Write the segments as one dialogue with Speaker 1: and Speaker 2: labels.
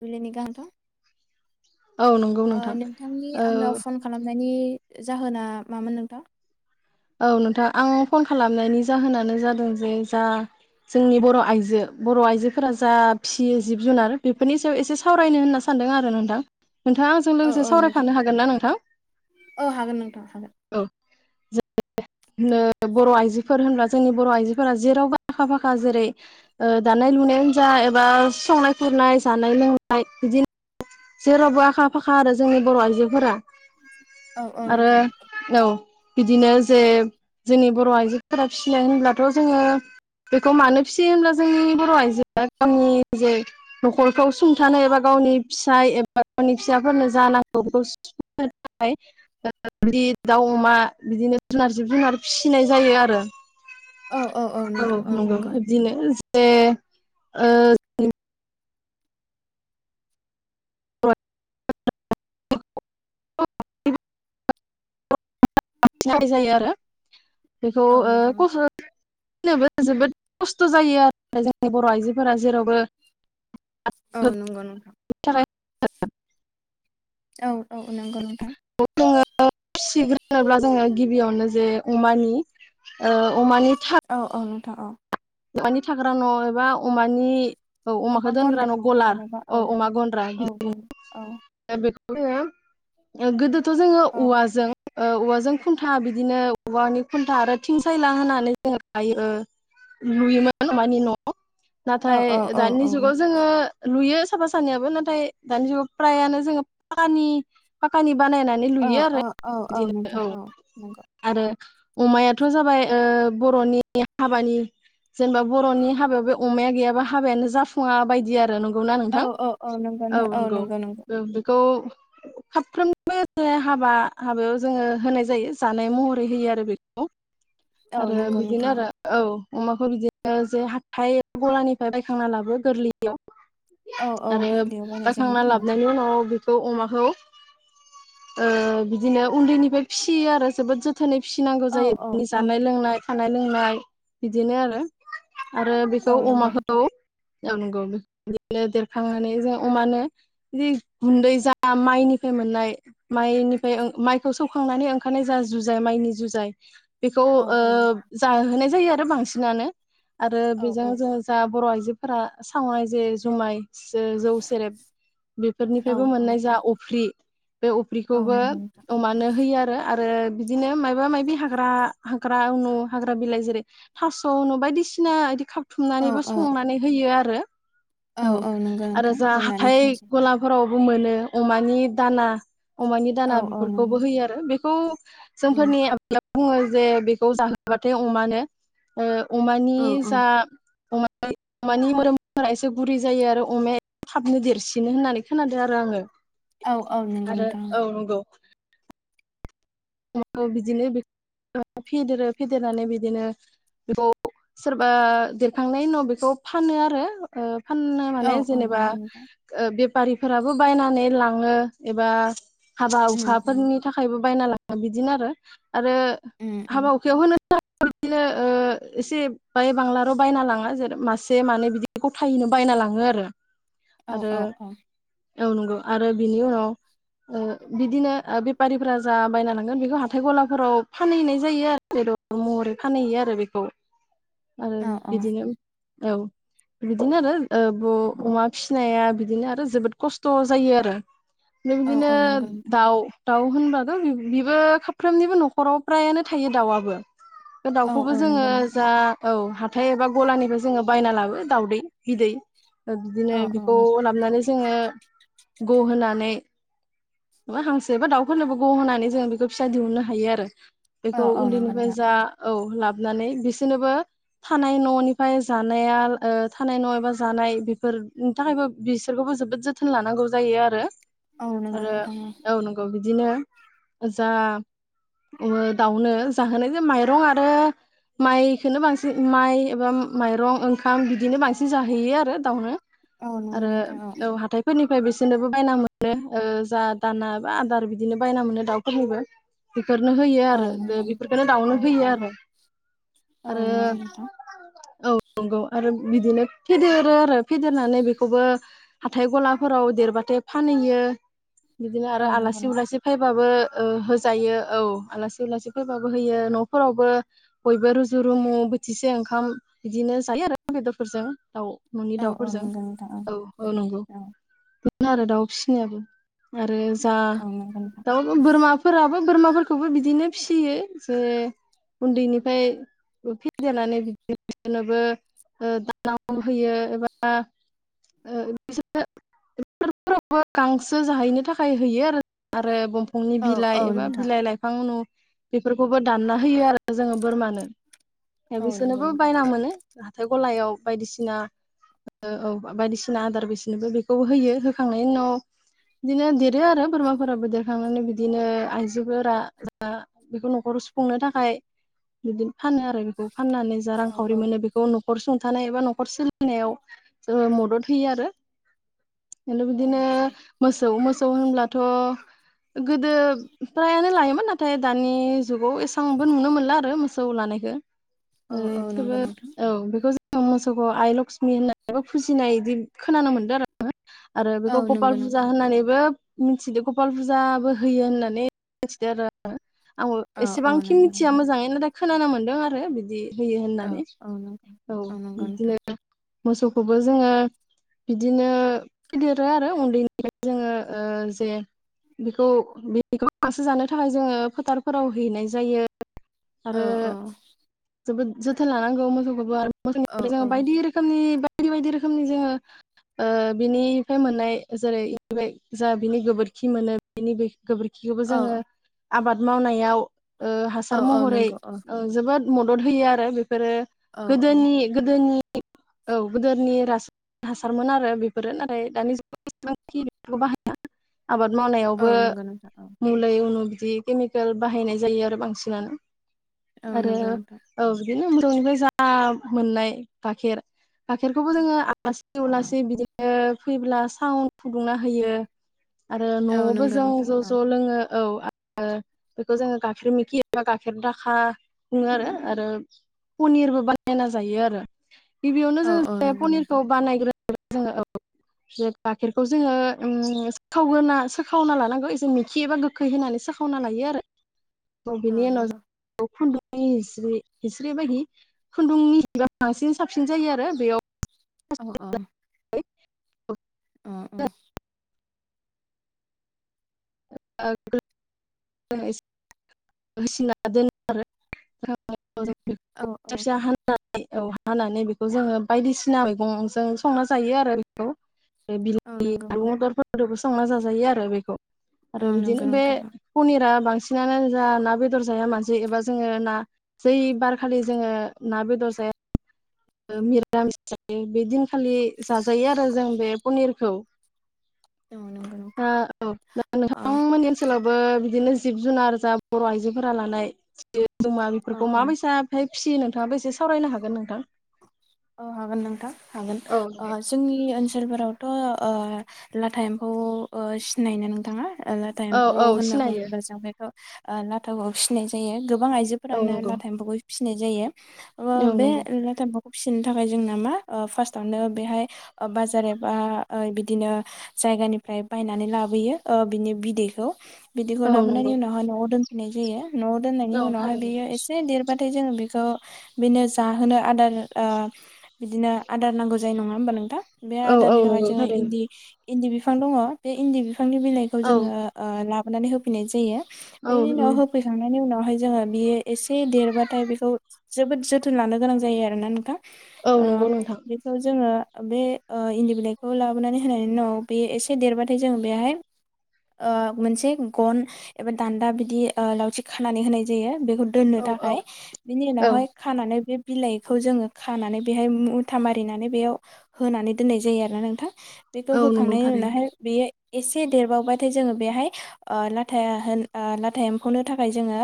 Speaker 1: जुलिनि गांथं
Speaker 2: औ नंगौ
Speaker 1: ओ
Speaker 2: नोंथां
Speaker 1: नोंथांनि
Speaker 2: औ
Speaker 1: आंनाव फन खालामनायनि जाहोना मामोन नोंथां?
Speaker 2: औ नोंथां आं फन खालामनायनि जाहोनानो जादों जे जा जोंनि बर' आइजो बर' आइजोफोरा जा फिसियो जिब जुनार बेफोरनि सायाव एसे सावरायनो होनना सानदों आरो नोंथां। नोंथाङा आंजों
Speaker 1: औ
Speaker 2: लोगोसे
Speaker 1: औ नोंथां
Speaker 2: सावरायफानो हागोन ना नोंथां?
Speaker 1: औ हागोन नोंथां हागोन
Speaker 2: औ। होनो बर' आइजोफोर होनब्ला जोंनि बर' आइजोफोरा जेरावबो आखा - फाखा जेरै दानाय लुनाय जा एबा संनाय खुरनाय, जानाय लोंनाय बिदिनो जेरावबो आखा फाखा आरो जोंनि बर' आइजोफोरा।
Speaker 1: औ औ
Speaker 2: आरो
Speaker 1: नोंथां
Speaker 2: औ। बिदिनो जे जोंनि बर' आइजोफोरा फिसिनाय होनब्लाथ' जोङो बेखौ मानो फिसियो होनब्ला जोंनि बर' आइजोआ गावनि जे न'खरखौ सुंथानो एबा गावनि फिसाय एबा गावनि फिसाफोरनो जानांगौ बेखौ सुनो थाखाय दाउ अमा बिदिनो जुनार जिब जुनार फिसिनाय जायो आरो। औ नंगौ अबदिनोज। दे। ओ [unintelligible] [unintelligible] [unintelligible] थियारि जायो आरो। बेखौ
Speaker 1: औ
Speaker 2: ओ
Speaker 1: नोंथां
Speaker 2: कसो फनाबो जोबोद खस्थ' जायो आरो जोंनि बर' आइजोफोरा जेरावबो
Speaker 1: औ
Speaker 2: होनो
Speaker 1: नंगौ नों
Speaker 2: [unintelligible]
Speaker 1: औ - औ नंगौ नोंथां।
Speaker 2: [inaudible] फिसिग्रोनोब्ला जोङो गिबियावनो जे अमानि ओ अमानि था
Speaker 1: था अ।
Speaker 2: अमानि थाग्रा न' एबा अमानि औ अमाखौ
Speaker 1: अमा
Speaker 2: दोनग्र न'
Speaker 1: गन्द्रा
Speaker 2: गलार
Speaker 1: जेनेबा
Speaker 2: औ अमा गन्द्रा
Speaker 1: औ
Speaker 2: [unintelligible]
Speaker 1: औ औ
Speaker 2: ओ बेखौ जोङो गोदोद थ' जोङो औवाजों ओ औवाजों खुन्था बिदिनो औवानि खुन्था आरो थिं सायला होनानै जों लायो ओ लुयोमोन अमानि न'।
Speaker 1: औ
Speaker 2: नाथाय
Speaker 1: औ
Speaker 2: दानि जुगाव जोङो लुयो। साफा सानैयाबो नाथाय दानि जुग फ्रायानो जोङो पानि पाकानि बानायनानै लुयो आरो
Speaker 1: औ औ औ
Speaker 2: बिदिनो
Speaker 1: नोंथां
Speaker 2: औ
Speaker 1: नंगौ
Speaker 2: आरो अमायाथ' जाबाय ओ बर'नि हाबानि जेनेबा बर'नि हाबायाव बे अमाया गैयाबा हाबायानो जाफुङा बायदि आरो नों
Speaker 1: औ-औ-औ नंगौ नो ओ नंगौ-नंगौ
Speaker 2: ओ बेखौ खाफ्रोमबो हाबा-हाबायाव जोङो होनाय जायो जानाय महरै होयो आरो बेखौ
Speaker 1: औ
Speaker 2: आरो
Speaker 1: नंगौ
Speaker 2: बिदिनो
Speaker 1: नोंथां
Speaker 2: आरो औ अमाखौ बिदिनो जे हाथाय गलानिफ्राय बायखांना लाबो गोरलैयाव
Speaker 1: औ-औ गोरलैयाव बायनाय जायो औ
Speaker 2: लाबोनायनि उनाव बेखौ अमाखौ ओ बिदिनो उन्दैनिफ्राय फिसियो आरो जोबोद जोथोनै फिसिनांगौ
Speaker 1: औ
Speaker 2: जायो
Speaker 1: औ
Speaker 2: बिनि जानाय
Speaker 1: औ
Speaker 2: लोंनाय जानाय लोंनाय बिदिनो आरो आरो बेखौ
Speaker 1: औ नंगौ
Speaker 2: अमाखौ
Speaker 1: नोंथां
Speaker 2: ओ नोगौ [unintelligible] दिनो देरखांनानै जों अमानो जि गुन्दै जा माइनिफाय मोननाय माइनिफाय माइखौ सौखांनानै ओंखारनाय जा जुजाय माइनि जुजाय बेखौ
Speaker 1: औ
Speaker 2: ओ
Speaker 1: औ
Speaker 2: जाहोनाय जायो आ आरो बांसिनानो आरो
Speaker 1: औ औ
Speaker 2: बेजों जोङो जा बर' आइज फोरा सावनाय जे जुमाय जो-जौ सेरेब
Speaker 1: औ
Speaker 2: बेफोरनिफ्रायबो
Speaker 1: औ
Speaker 2: मोननाय जा अफ्रि बे
Speaker 1: औ
Speaker 2: अफ्रिखौबो
Speaker 1: नंगौ नोंथां
Speaker 2: अमानो होयो आरो आरो बिदिनो मायबा मायबि हाग्रा-हाग्रा अनु हाग्रा बिलाइ जेरै थास'नु अनु बायदिसिना बिदि खा
Speaker 1: औ
Speaker 2: थुमनानैबो
Speaker 1: औ
Speaker 2: संनानै होयो आरो औ
Speaker 1: नंगौ
Speaker 2: आरो
Speaker 1: नोंथां
Speaker 2: जा
Speaker 1: रुनानै
Speaker 2: हाथाय
Speaker 1: होनाय जायो
Speaker 2: गलाफोरावबो मोनो अमानि दाना। अमानि
Speaker 1: औ
Speaker 2: दाना
Speaker 1: औ नंगौ
Speaker 2: बेफोरखौबो
Speaker 1: नोंथां
Speaker 2: होयो आरो बेखौ
Speaker 1: उम
Speaker 2: जोंफोरनि [unintelligible] बुङो जे बेखौ जाहोबाथाय अमानो ओ अमानि
Speaker 1: औ
Speaker 2: जा अमानि मोमफोरा एसे गुरै जायो आरो अमाया थाबनो देरसिनो इदिनो होननानै खोनादों आरो आङो।
Speaker 1: औ औ नंगौ
Speaker 2: आरो
Speaker 1: नोंथां ओं
Speaker 2: औ अमाखौ बिदिनो फेदेरो फेदेरनानै बिदिनो बेखौ सोरबा देरखांनायनि उनाव बेखौ फानो आरो ओ फाननो
Speaker 1: औ
Speaker 2: माने
Speaker 1: औ
Speaker 2: जेनेबा
Speaker 1: नंगौ नोंथां
Speaker 2: ओ बे बारिफोराबो बायनानै लाङो एबा हाबा
Speaker 1: उम उम
Speaker 2: हुखाफोरनि थाखायबो बायना लां दा बिदिनो आरो। आरो
Speaker 1: उम उम
Speaker 2: हाबा-हुखायाव होनो [unintelligible] बिदिनो ओ एसे बाय बांलार' बायना लाङा जेरै मासे मानै बिदि गथायैनो बायना लाङो आरो।
Speaker 1: औ
Speaker 2: आरो
Speaker 1: औ औ
Speaker 2: औ नंगौ आरो बिनि उनाव ओ बिदिनो ओ बेफारिफोरा जा बायना लांगोन बेखौ हाथाय गलाफोराव फानहैनाय जायो। आरो बेदर महरै फानहैयो आरो बेखौ। आरो
Speaker 1: औ औ
Speaker 2: बिदिनो औ बिदिनो आरो ओ ब अमा फिसिनाया बिदिनो आरो जोबोद खस्थ' जायो आरो।
Speaker 1: औ
Speaker 2: नोनिनो
Speaker 1: औ नंगौ नोंथां
Speaker 2: दाउ-दाउ होनबाथ बिबो साफ्रोमनिबो न'खराव फ्रायानो थायो दाउआबो।
Speaker 1: औ
Speaker 2: दाउखौबो
Speaker 1: औ
Speaker 2: जोङो
Speaker 1: नंगौ नोंथां
Speaker 2: जा औ हा थाय एबा गलानिफ्राय जोङो बायना लाबो दाउदै-बिदै। ओ बिदिनो
Speaker 1: औ
Speaker 2: बिखौ लाबोनानै जोङो ग' होनानै हांसो बा दाउफोरनोबो ग' होनानै जों बेखौ फिसा दिहुननो हायो आरो।
Speaker 1: औ
Speaker 2: बेखौ
Speaker 1: औ नंगौ
Speaker 2: उन्दैनिफ्राय
Speaker 1: नोंथां
Speaker 2: जा औ लाबानै बिसोरनोबो थानाय न'निफ्राय जानाया थानाय न' एबा जानाय बेफोरनि थाखायबो बिसोरखौबो जोबोद जोथोन लानांगौ जायो आरो।
Speaker 1: औ नंगौ
Speaker 2: आरो
Speaker 1: नोंथां
Speaker 2: औ नंगौ बि बिदिनो जा ओ दाउनो जाहोनायजो माइरं आरो माइखोनो बांसिन माइ एबा माइरं ओंखाम बिदिनो बांसिन जाहैयो आरो दाउनो।
Speaker 1: औ नंगौ
Speaker 2: आरो
Speaker 1: नोंथां
Speaker 2: औ हाथथायफोरनि फ्राय बिसोरनोबो बायना मोनो। ओ जा दाना बा आदार बिदिनो बायना मोनो दाउ [unintelligible] फोरनो होयो
Speaker 1: औ
Speaker 2: आरो
Speaker 1: नंगौ नोंथां
Speaker 2: बेफोरखौनो दाउनो
Speaker 1: औ
Speaker 2: होयो
Speaker 1: औ
Speaker 2: आरो
Speaker 1: औ
Speaker 2: आरो
Speaker 1: नंगौ नोंथां
Speaker 2: औ नंगौ आरो बिदिनो फेदेरो आरो फेदेरनानै बेखौबो हाथाय गलाफोराव देरबाथाय फानहैयो बिदिनो आरो
Speaker 1: औ नंगौ
Speaker 2: आलासि उलासि फैबाबो ओ होजायो औ आलासि-उलासि फैबाबो होयो, न'फोरावबो बयबो रुजु-रुमु बोथिसे ओंखाम बिदिनो जायो आरो बेदरफोरजों औ न'नि
Speaker 1: औ औ
Speaker 2: दाउफोरजों
Speaker 1: नंगौ नोंथां
Speaker 2: औ औ नंगौ
Speaker 1: औ
Speaker 2: आरो दाउ फिसिनायाबो आरो जा
Speaker 1: औ नंगौ नोंथां
Speaker 2: दाव बोरमाफोराबो बोरमाफोरखौबो बिदिनो फिसियो जे उन्दैनिफ्राय फेदेरनानै बिदिनो बिसनोबो दाना होयो एबा ओ बिसोर फोथार फोरावबो गांसो जाहैनो थाखाय होयो आरो आरो दंफां फुंनि
Speaker 1: औ
Speaker 2: बिलाइ
Speaker 1: औ
Speaker 2: एबा
Speaker 1: नोंथां
Speaker 2: बिलाइ लाइफां नु बेफोरखौबो दानना होयो आरो जोङो बोरमानो।
Speaker 1: औ नंगौ
Speaker 2: बिसोरनोबो
Speaker 1: नोंथां
Speaker 2: बायना मोनो हाथाय गलायाव बायदिसिना ओ औ बायदिसिना आदार बेसेनोबो बेखौबो होयो होखांनायनि उनाव बिदिनो देरो आरो बोरमाफोराबो देरखांनानै बिदिनो
Speaker 1: औ
Speaker 2: आइजोफोरा दा बेखौ न'खराव सुफुंनो थाखाय बिदिनो फानो आरो बेखौ फाननानै जा
Speaker 1: औ
Speaker 2: रांखावरि
Speaker 1: औ
Speaker 2: मोनो बेखौ न खर सुंथानाय एबा न'खर सोलिनायाव जोङो मदद होयो आरो हेलौ
Speaker 1: औ
Speaker 2: बिदिनो
Speaker 1: नंगौ।
Speaker 2: मोसौ मोस‌ सौ होनब्लाथ' गोदो प्रायानो लायोमोन नाथाय दानि जुगाव एसांबो नुनो मोनला आरो मोसौ लानायखो।
Speaker 1: औ
Speaker 2: ओ‌
Speaker 1: औ
Speaker 2: थेवबो
Speaker 1: नंगौ नोंथां
Speaker 2: औ बेखौ [unintelligible] मोसौखौ आइ लक्ष्मि होननानैबो फुजिनाय बिदि खोनानो मोन्दों आरो आङो आरो
Speaker 1: औ
Speaker 2: बेखौ गपाल
Speaker 1: नंगौ
Speaker 2: फुजा
Speaker 1: नोंथां
Speaker 2: होननानैबो मिथिदो कपाल फुजा होयो होननानै मिथिदो आरो आं
Speaker 1: औ औ
Speaker 2: एसेबांखि
Speaker 1: नंगौ
Speaker 2: मिथिया
Speaker 1: नोंथां
Speaker 2: मोजाङै नाथाय खोनानो मोन्दों आरो बिदि होयो
Speaker 1: औ
Speaker 2: होननानै
Speaker 1: औ नंगौ
Speaker 2: औ
Speaker 1: नंगौ नोंथां
Speaker 2: बिदिनो मोसौखौबो जोङो बिदिनो फेदेरो आरो उन्दैनिफ्राय जोङो ओ जे बेखौ बेखौ बो गांसो जानो थाखाय जोङो फोथारफोराव हैनाय जायो आरो
Speaker 1: औ औ
Speaker 2: जोबोद जोथोन लानांगौ मोसौखौबो आरो
Speaker 1: औ औ
Speaker 2: [unintelligible] बायदि रोखोमनि बायदि बायदि रोखोमनि जोङोओ बिनिफ्राय मोननाय जेरै जा बिनि गोबोरखि मोनो। बेनि बे गोबोरखिखौबो जोङो
Speaker 1: औ
Speaker 2: आबाद मावनायाव ओ
Speaker 1: औ
Speaker 2: हासार
Speaker 1: औ
Speaker 2: महरै
Speaker 1: नंगौ औ
Speaker 2: ओ जोबोद मदद होयो आरो बे दो
Speaker 1: औ औ
Speaker 2: गोदोनि गोदोनि औ गोदोरनि रास हासारमोन आरो बेफोरो नाथाय दानि जुगाव एसेबांखि बेफोरखौ बाहाया आबाद मावनायाव।
Speaker 1: औ
Speaker 2: बो
Speaker 1: नंगौ नोंथां औ
Speaker 2: मुलै उनु बिदि केमिकेल बाहायनाय जायो आरो बांसिनानो।
Speaker 1: औ
Speaker 2: आरो
Speaker 1: नंगौ नोंथां
Speaker 2: औ बिदिनो मगनिफ्राय जा मोननाय गाइखेर गाइखेरखौबो जोङो आलासि उलासि बिदिनो फैब्ला सा फुदुंना होयो। आरो
Speaker 1: औ
Speaker 2: न'वाबो
Speaker 1: नंगौ नोंथां
Speaker 2: ज'
Speaker 1: औ
Speaker 2: ज' लोङो। औ आरो बेखौ जोङो गाइखेर मोखि एबा गाइखेर दाखा बुङो आरो आरो पनिरबो बानायना जायो आरो गिबियावनो
Speaker 1: औ
Speaker 2: जों
Speaker 1: औ
Speaker 2: बे
Speaker 1: नंगौ नोंथां
Speaker 2: पनिरखौ बानाग्रो [unintelligible] ओ जे गाइखेरखौ जोङो उम सोखावग्रोना सो ओ खावना लानांगौ एसे मिखि एबा गोखै होनानै सोखावना लायो आरो औ बिनि उनाव जों जि हिस्रि हिस्रि बायदि खुन्दुंनि ओ बांसिन साबसिन जायो आरो बेयाव
Speaker 1: अ अ अ उम
Speaker 2: [unintelligible] [unintelligible] [unintelligible] [unintelligible]
Speaker 1: औ औ
Speaker 2: [unintelligible] औ हानानै बेखौ जोङो बायदिसिना मैगंजों संना जायो आरो बेखौ
Speaker 1: औ नंगौ नोंथां
Speaker 2: [unintelligible] संना जाजायो आरो बेखौ। आरो
Speaker 1: औ
Speaker 2: बिदिनो
Speaker 1: नंगौ
Speaker 2: बे
Speaker 1: नोंथां
Speaker 2: पनिरा बांसिनानो जा ना बेदर जाया मानसि एबा जोङो ना जै बारखालि जोङो ना बेदर जाया ओ मिरायो बे दिनखालि जाजायो आरो जों बे पनिरखौ।
Speaker 1: औ नंगौ नोंथां
Speaker 2: आ औ
Speaker 1: औ
Speaker 2: नोंथांमोननि ओनसोलावबो बिदिनो जिब जुनार जाब बर' आइजोफोरा लानाय। दमा
Speaker 1: औ
Speaker 2: बेफोरखौ
Speaker 1: औ
Speaker 2: माबायसा फ्राय फिसियो नोंथाङाबो एसे सावरायनो हागोन नोंथां
Speaker 1: औ हागोन नोंथां हागोन
Speaker 2: औ
Speaker 1: ओ जोंनि ओनसोलफोराव थ' ओ लाथा एम्फौ ओ सिनायोना नोंथाङा ओ लाथा
Speaker 2: औ
Speaker 1: एम्फौ
Speaker 2: औ
Speaker 1: होनना
Speaker 2: सिनायो
Speaker 1: बुङोब्ला जों बेखौ लाथाखौ फिसिनाय जायो गोबां
Speaker 2: औ
Speaker 1: आइजोफोरानो
Speaker 2: नंगौ
Speaker 1: लाथा एमफौखौ फिनाय जायो अ
Speaker 2: औ
Speaker 1: बे
Speaker 2: नंगौ
Speaker 1: [unintelligible] फिसिनो थाखाय जोंना मा ओ फार्स्टआवनो बेहाय बाजार एबा ओ बिदिनो जायगानिफ्राय बायनानै लाबोयो ओ बिनि बिदैखौ बिदिखौ
Speaker 2: औ
Speaker 1: लाबोनायनि
Speaker 2: नंगौ
Speaker 1: उनावहाय न'आव दोन नाय जायो न'आव दोननायनि
Speaker 2: औ
Speaker 1: उनावहाय
Speaker 2: थारैनो
Speaker 1: बेयो एसे देरबाथाय जोङो बे खौ बिनो जाहोनो आदार ओ बिदिनो आदार नांगौ जायो नङा होमबा नोंथां? बे
Speaker 2: औ औ
Speaker 1: आदारनि थाखाय
Speaker 2: नंगौ
Speaker 1: जोङो
Speaker 2: थारैनो
Speaker 1: इन्दि इन्दि बिफां दङ बे इन्दि बिफां बिफांनि बिलाइखौ
Speaker 2: औ
Speaker 1: जोङो ओ ला नानै होफैनाय जायो
Speaker 2: औ
Speaker 1: बेनि उनाव होफैखांनायनि उनाव ओफाय जोङो बियो एसे देरबाथाय बेखौ जोबोद जोथोन लानो गोनां जायो आरोना नोंथां
Speaker 2: औ
Speaker 1: ओ
Speaker 2: नंगौ नोंथां
Speaker 1: बेखौ जोङो बे ओ इन्दि बिलाइखौ लाबोनानै होनायनि उनाव बे एसे देरबाथाय जोङो बेहाय ओ मोनसे गन एबा दान्दा बिदि लावथि खानानै होनाय जायो। बेखौ दोननो
Speaker 2: औ औ
Speaker 1: थाखाय बिनि
Speaker 2: औ
Speaker 1: उनावहाय खानानै बे बिलाइखौ जोङो खानानै बेहाय मुथा मारिनानै बेयाव होनानै दोननाय जायो आरोना नोंथां। बेखौ
Speaker 2: औ नंगौ
Speaker 1: होखांनायनि
Speaker 2: थारैनो
Speaker 1: उनावहाय बेयो एसे देरबावबाथाय जोङो बेहाय ओ लाथा होन ओ लाथा एम्फौनो थाखाय जोङो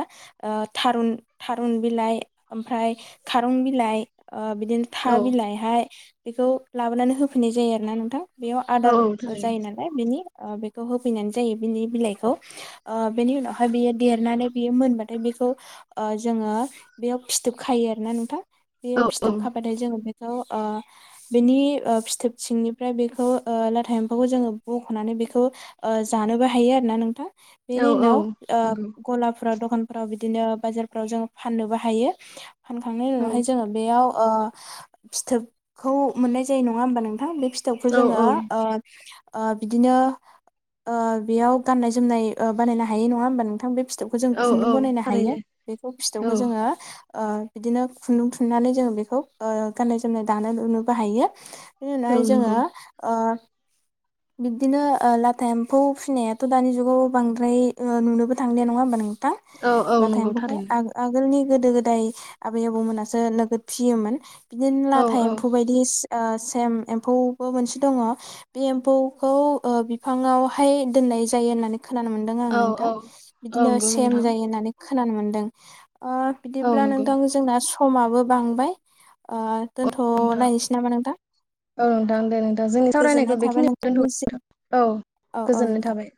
Speaker 1: ओ थारुन थारुन बिलाइ ओमफ्राय खारं बिलाइ ओ बिदिनो था
Speaker 2: औ
Speaker 1: बिलाइहाय बेखौ लाबोनानै होफैनाय जायो आरोना नोंथां। बेयाव
Speaker 2: औ
Speaker 1: आदार
Speaker 2: औ
Speaker 1: जायो
Speaker 2: थारैनो
Speaker 1: नालाय बेनि ओ बेखौ होफैनानै जायो बिनि बिलाइखौ ओ बेनि उनावहाय बियो देरनानै बियो मोनबाथाय बेखौ ओ जोङो बेयाव फिथोबखायो आरोना नोंथां बेयो
Speaker 2: औ
Speaker 1: फिथोब खाबायथाय जोङो बे खौ ओ बेनि ओ फिथोब सिंनिफ्राय बेखौ ओ लाथा एम्फौखौ जोङो बख'नानै बेखौ ओ जानोबो हायो आरोना नोंथां
Speaker 2: औ
Speaker 1: बेनि
Speaker 2: औ
Speaker 1: उनाव ओ
Speaker 2: नंगौ
Speaker 1: गलाब फ्राव दखानफ्राव बिदिनो बाजारफोराव जों फाननोबो हायो फानखांनायनि
Speaker 2: औ
Speaker 1: उनावहाय बेयाव ओ फिथोबखौ मोननाय जायो नङा हबा नोंथां? बे फिथोबखौ
Speaker 2: औ
Speaker 1: जोङो ओ ओ बिदिनो ओ बेयाव गाननाय जोमनाय ओ बानायनो हायो नङा होमबा नोंथां? बे फि थोबखौ जों खुन्दुं
Speaker 2: औ औ
Speaker 1: बनायनो हायो
Speaker 2: थारैनो
Speaker 1: बेखौ फिथोबखौ
Speaker 2: औ
Speaker 1: जोङो ओ बिदिनो खुन्दुं थु नानै जोङो बेखौ ओ गाननाय जोमनाय दानो लुनोबो हायो। बिनि
Speaker 2: औ
Speaker 1: उनावहाय जोङो
Speaker 2: नंगौ
Speaker 1: ओ बिबदिनो ओ लाथा एम्फौ फिसिनायाथ' दानि जुगाव बांद्राय ओ नुनोबो थांलिया नङा होमबा नों थां
Speaker 2: औ औ
Speaker 1: लाथा
Speaker 2: नंगौ
Speaker 1: एम्फौखौ
Speaker 2: थारैनो
Speaker 1: आं आगोलनि गोदो गोदाय आबै आबौमोनासो नोगोद फियोमोन। बिदिनो
Speaker 2: औ
Speaker 1: लाथा
Speaker 2: औ
Speaker 1: एम्फौ बायदि ओ सेम एम्फौबो मोनसे दङ बे एम म्फौखौ ओ बिफाङावहाय दोननाय जायो होननानै खोनानो मोनदों आं
Speaker 2: औ
Speaker 1: नोंथां।
Speaker 2: औ औ
Speaker 1: बिदिनो
Speaker 2: नंगौ
Speaker 1: सेम
Speaker 2: नोंथां
Speaker 1: जायो होननानै खोनानो मोनदों। ओ
Speaker 2: औ
Speaker 1: बिदिब्ला
Speaker 2: नंगौ
Speaker 1: नोंथां जोंना स खमाबो बांबाय ओ
Speaker 2: नोंथां
Speaker 1: दोनथ'लायनोसै नामा नोंथां
Speaker 2: औ नोंथां दे नोंथां जोंनि
Speaker 1: गोजोननाय
Speaker 2: सावरायनायखौ
Speaker 1: थाबाय
Speaker 2: बेखिनि दोनथ'
Speaker 1: नोंथांनिसिम
Speaker 2: बाय औ
Speaker 1: औ औ नोंथां
Speaker 2: गोजोननाय थाबाय।